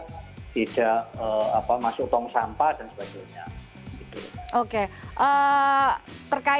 tidak apa masuk tong sampah dan sebagainya